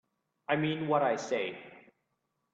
I mean what I say.